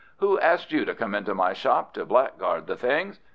Who asked you to come into my shop to blackguard the things?